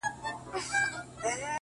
o باد را الوتی؛ له شبِ ستان دی؛